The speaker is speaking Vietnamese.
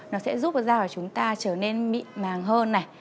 nó sẽ giúp cho da của chúng ta trở nên mịn màng hơn